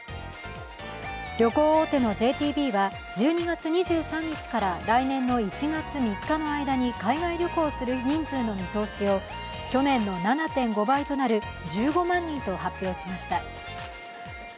旅行大手のＪＴＢは１２月２３日から来年の１月３日の間に海外旅行する人数の見通しで去年の７．５倍となる１５万人と発表しました。